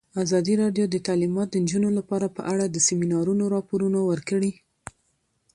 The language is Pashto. ازادي راډیو د تعلیمات د نجونو لپاره په اړه د سیمینارونو راپورونه ورکړي.